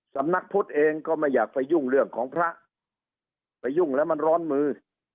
สำนักพุทธเองก็ไม่อยากไปยุ่งเรื่องของพระไปยุ่งแล้วมันร้อนมือ